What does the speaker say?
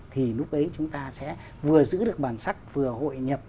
thì lúc ấy chúng ta sẽ vừa giữ được bản sắc vừa hội nhập